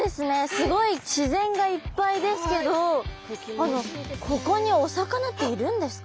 すごい自然がいっぱいですけどここにお魚っているんですか？